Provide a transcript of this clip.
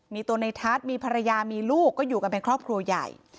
มีตัวในทัศน์มีภรรยามีลูกก็อยู่กันเป็นครอบครัวใหญ่